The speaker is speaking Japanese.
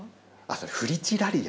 それ「フリチラリア」。